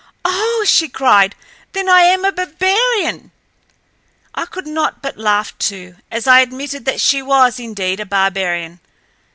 "Oh," she cried, "then I am a barbarian!" I could not but laugh, too, as I admitted that she was, indeed, a barbarian.